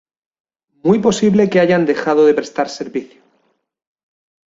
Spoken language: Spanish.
Muy posible que hayan dejado de prestar servicio.